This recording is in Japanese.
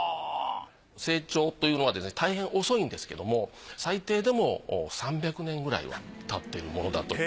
成長というのはですねたいへん遅いんですけれども最低でも３００年くらいは経っているものだと。